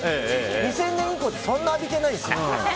２０００年以降ってそんなに浴びてないんです。